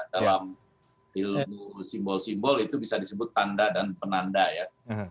dalam ilmu simbol simbol itu bisa disebut tanda dan penanda ya